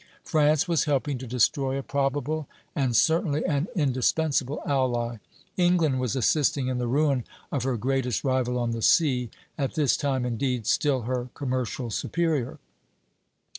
France was helping to destroy a probable, and certainly an indispensable, ally; England was assisting in the ruin of her greatest rival on the sea, at this time, indeed, still her commercial superior.